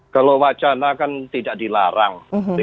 kalau wacana kan tidak dilarang